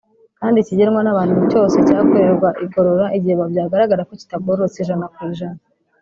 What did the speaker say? kandi ikigenwa n’abantu cyose cyakorerwa igorora igihe byagaragara ko kitagororortse ijana ku ijana